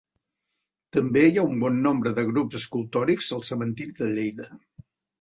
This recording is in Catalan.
També hi ha un bon nombre de grups escultòrics al cementiri de Lleida.